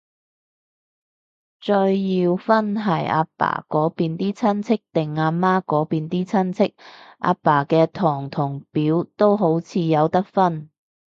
再要分係阿爸嗰邊啲親戚，定阿媽嗰邊啲親戚，阿爸嘅堂同表都好似有得分